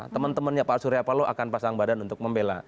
teman temannya pak surya paloh akan pasang badan untuk membela